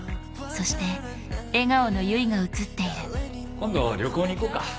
今度旅行に行こうか。